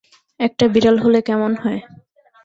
একটা বিড়াল হলে কেমন হয়?